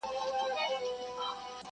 هر پاچا يې دنيادار لکه قارون وو!.